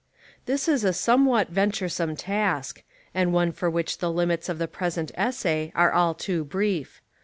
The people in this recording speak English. This is a somewhat venturesome task, and one for which the limits of the present essay are all too brief.